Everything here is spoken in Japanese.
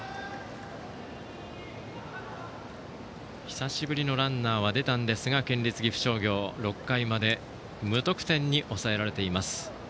久しぶりのランナーは出たんですが県立岐阜商業は６回まで無得点に抑えられています。